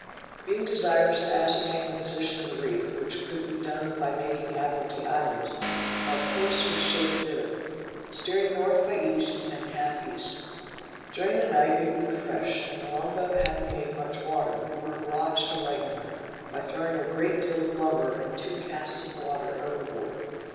Being desirous to ascertain the position of the reef, which could be done by making the Admiralty Islands, our course was shaped thither, steering north by east and half east. During the night, it blew fresh, and the long boat having made much water, we were obliged to lighten her, by throwing a great deal of lumber, and two casks of water, overboard.